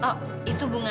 oh itu bunga